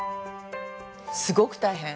すごく大変。